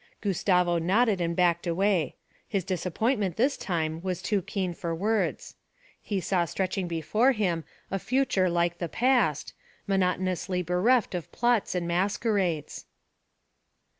Gustavo nodded and backed away. His disappointment this time was too keen for words. He saw stretching before him a future like the past, monotonously bereft of plots and masquerades.